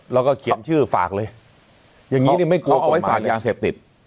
เราก็เขียนชื่อฝากเลยเขาเอาไว้ฝากยาเสพติด